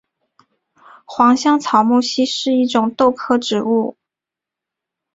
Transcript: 黄香草木樨是一种豆科植物。